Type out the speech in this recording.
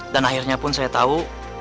dan akhirnya pun saya tahu